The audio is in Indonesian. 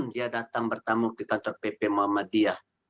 dia datang bertamu ke kantor pp muhammadiyah